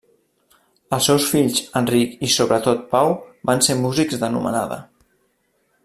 Els seus fills Enric i sobretot Pau van ser músics d'anomenada.